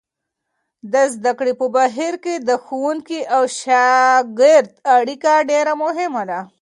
د زده کړې په بهیر کې د ښوونکي او شاګرد اړیکه ډېره مهمه ده.